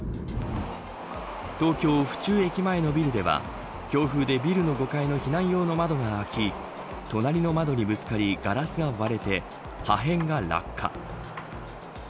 東京、府中駅前のビルでは強風でビル５階の避難用の窓が開き隣の窓にぶつかりガラスが割れて破片が落下。